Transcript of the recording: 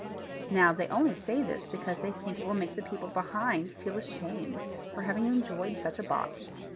Now they only say this because they think it will make the people behind feel ashamed for having enjoyed such a botch.